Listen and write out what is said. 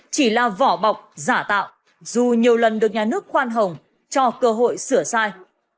chỉ là vỏ bọc giả tạo dù nhiều lần được nhà nước khoan hồng cho cơ hội sửa sai